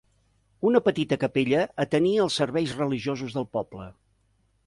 Una petita capella atenia els serveis religiosos del poble.